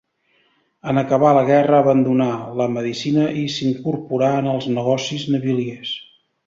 En acabar la guerra abandonà la medicina i s'incorporà en els negocis naviliers.